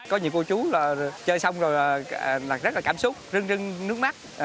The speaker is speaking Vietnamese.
có nhiều cô chú là chơi xong rồi rất là cảm xúc rưng rưng nước mắt